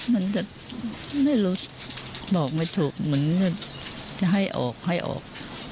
มันจะไม่รู้บอกไม่ถูกเหมือนจะให้ออกให้ออก